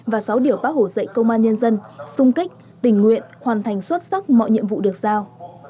và sáu điểu bác hổ dạy công an nhân dân sung kích tình nguyện hoàn thành xuất sắc mọi nhiệm vụ được giao